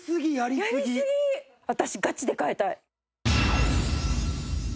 私ガチで替えたい。